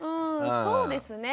そうですね。